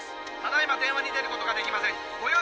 今電話にでることができません」